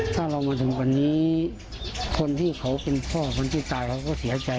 ถ้าเรามาถึงวันนี้คนที่เขาเป็นพ่อคนที่ตายเขาก็เสียใจ